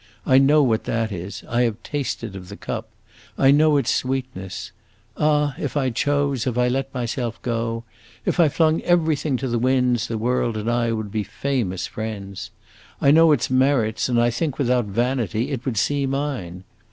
I know what that is; I have tasted of the cup, I know its sweetness. Ah, if I chose, if I let myself go, if I flung everything to the winds, the world and I would be famous friends! I know its merits, and I think, without vanity, it would see mine.